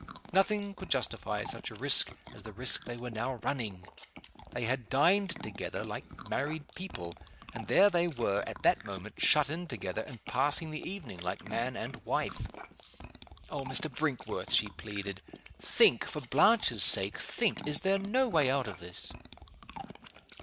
Nothing could justify such a risk as the risk they were now running! They had dined together like married people and there they were, at that moment, shut in together, and passing the evening like man and wife! "Oh, Mr. Brinkworth!" she pleaded. "Think for Blanche's sake, think is there no way out of this?"